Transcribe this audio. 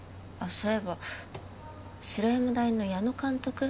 そういえば白山大の矢野監督